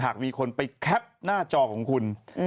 หากมีคนไปแคปหน้าจอของคุณ